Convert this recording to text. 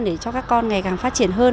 để cho các con ngày càng phát triển hơn